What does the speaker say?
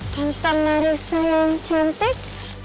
tentang narisa yang cantik